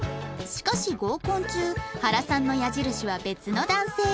しかし合コン中原さんの矢印は別の男性へ